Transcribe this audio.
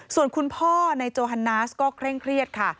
ส่วนคุณพ่อในโจฮันนาสก็เคร่งเครียดค่ะ